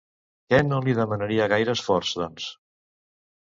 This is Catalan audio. Què no li demanaria gaire esforç, doncs?